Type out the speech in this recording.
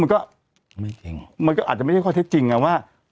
มันก็คงอาจจะไม่ได้ค่อยเท็จจริงก่อนการบอกว่า